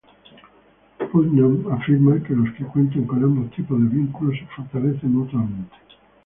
Putnam afirma que los que cuentan con ambos tipos de vínculo se fortalecen mutuamente.